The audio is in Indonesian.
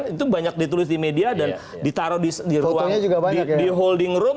itu banyak ditulis di media dan ditaruh di holding room